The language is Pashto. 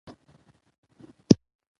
جبار : زه له دوي څخه دا غواړم.